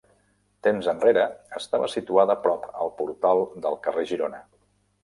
Temps enrere estava situada prop el portal del carrer Girona.